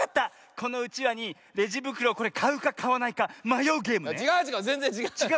このうちわにレジぶくろをかうかかわないかまよう